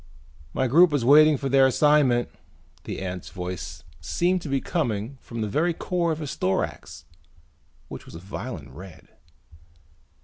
"My group is waiting for their assignment." The ant's voice seemed to be coming from the very core of its thorax which was a violent red.